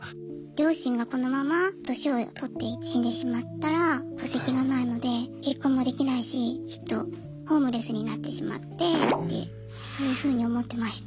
両親がこのまま年を取って死んでしまったら戸籍がないので結婚もできないしきっとホームレスになってしまってってそういうふうに思ってました。